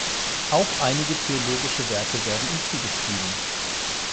Auch einige theologische Werke werden ihm zugeschrieben.